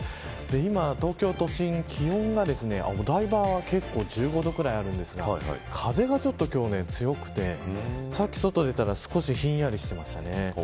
今、東京都心気温がお台場は１５度くらいあるんですが風が今日はちょっと強くてさっき外に出たら少しひんやりしていました。